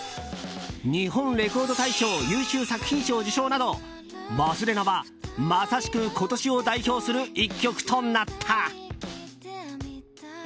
「日本レコード大賞」優秀作品賞受賞など「勿忘」はまさしく今年を代表する１曲となった。